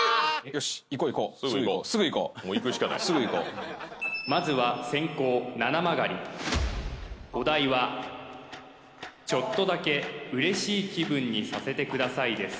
よしいこういこうすぐいこうもういくしかないまずはお題は「ちょっとだけ嬉しい気分にさせてください」です